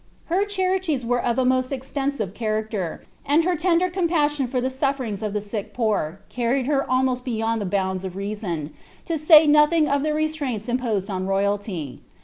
Her charities were of a most extensive character, and her tender com passioo for the sofierings of the sick poor carried her almost beyond the bounds c^ reason, to say nothing of the restraints imposed on roy alty.